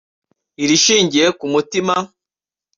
irishingiye ku mutima